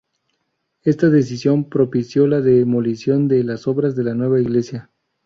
Esta decisión propició la demolición de las obras de la nueva iglesia.